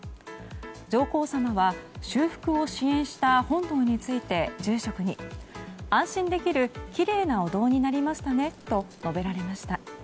上皇さまは、修復を支援した本堂について住職に安心できるきれいなお堂になりましたねと述べられました。